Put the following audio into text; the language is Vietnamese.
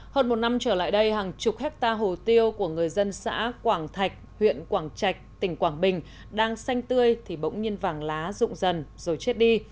hơn một năm trở lại đây hàng chục hectare hồ tiêu của người dân xã quảng thạch huyện quảng trạch tỉnh quảng bình đang xanh tươi thì bỗng nhiên vàng lá rụng dần rồi chết đi